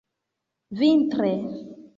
vintre